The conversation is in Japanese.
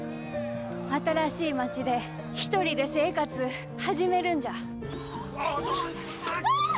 新しい町で一人で生活う始めるんじゃ。